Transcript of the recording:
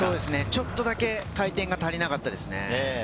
ちょっとだけ回転が足りなかったですね。